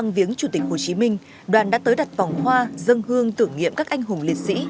bằng viếng chủ tịch hồ chí minh đoàn đã tới đặt vòng hoa dân hương tử nghiệm các anh hùng liệt sĩ